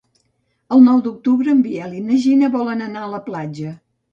El nou d'octubre en Biel i na Gina volen anar a la platja.